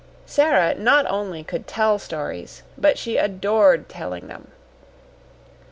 Sara not only could tell stories, but she adored telling them.